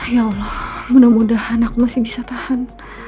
ya allah mudah mudahan aku masih bisa tahan